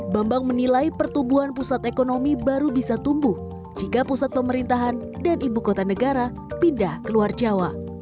bambang menilai pertumbuhan pusat ekonomi baru bisa tumbuh jika pusat pemerintahan dan ibu kota negara pindah ke luar jawa